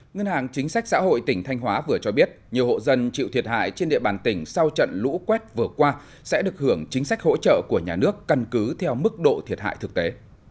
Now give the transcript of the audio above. ngân hàng chính sách xã hội tỉnh thanh hóa vừa cho biết nhiều hộ dân chịu thiệt hại trên địa bàn tỉnh sau trận lũ quét vừa qua sẽ được hưởng chính sách hỗ trợ của nhà nước căn cứ theo mức độ thiệt hại thực tế